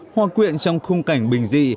hòa quyện trong khung cảnh bình dị